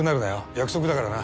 約束だからな。